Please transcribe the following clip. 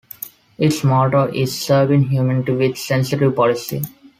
Its motto is Serving Humanity with Sensitive Policing.